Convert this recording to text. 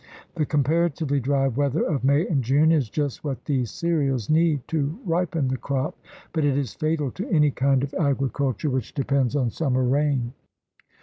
The com paratively dry weather of May and June is just what these cereals need to ripen the crop, but it is fatal to any kind of agriculture which depends on summer rain.